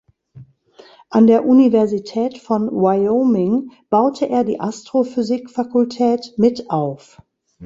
An der Universität von Wyoming baute er die Astrophysik-Fakultät mit auf.